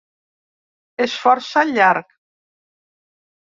És força llarg.